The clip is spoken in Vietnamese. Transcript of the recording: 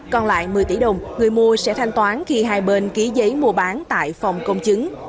còn lại một mươi tỷ đồng người mua sẽ thanh toán khi hai bên ký giấy mua bán tại phòng công chứng